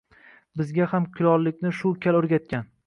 Bizga ham kulollikni shu kal o‘rgatgan